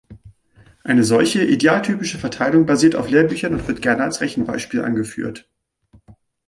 Eine solche, idealtypische Verteilung basiert auf Lehrbüchern und wird gerne als Rechenbeispiel angeführt.